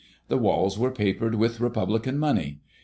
The walls were papered with Republican money.